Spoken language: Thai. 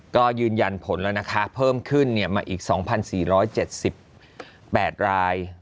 ก็ยืนยันผลแล้วนะคะเพิ่มขึ้นมาอีก๒๔๗๘ราย